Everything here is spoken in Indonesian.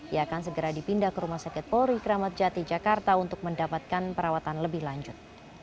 ia akan segera dipindah ke rumah sakit polri kramat jati jakarta untuk mendapatkan perawatan lebih lanjut